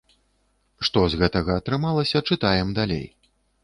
Што з гэтага атрымалася, чытаем далей.